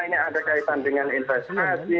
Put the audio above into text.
ini ada kaitan dengan investasi